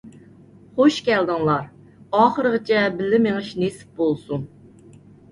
خۇش كەلدىڭلار، ئاخىرىغىچە بىللە مېڭىش نېسىپ بولسۇن.